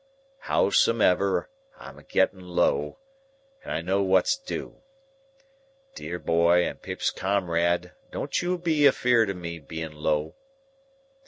—Howsomever, I'm a getting low, and I know what's due. Dear boy and Pip's comrade, don't you be afeerd of me being low.